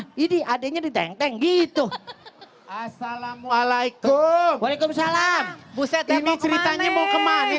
jadi adeknya diteng teng gitu assalamualaikum waalaikumsalam buset ini ceritanya mau kemana